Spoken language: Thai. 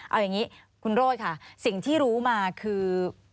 เอาอย่างนี้คุณโรธค่ะสิ่งที่รู้มาคือ